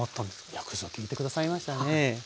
よくぞ聞いて下さいましたね。